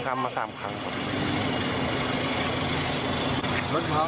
รถเขา